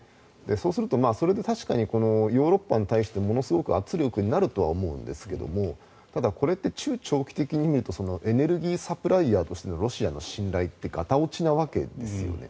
そうすると、それで確かにヨーロッパに対してものすごく圧力になるとは思うんですがただ、これって中長期的に見るとエネルギーサプライヤーとしてのロシアの信頼ってがた落ちなわけですよね。